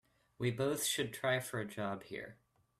We both should try for a job here.